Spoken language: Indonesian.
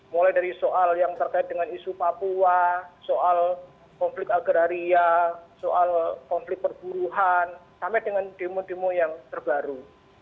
mulai dari soal yang terkait dengan isu papua soal konflik agraria soal konflik perburuhan sampai dengan demo demo yang terbaru